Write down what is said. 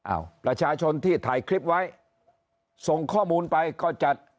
อ้าวประชาชนที่ถ่ายคลิปไว้ส่งข้อมูลไปก็จัด